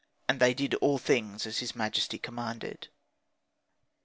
And they did all things as his majesty commanded.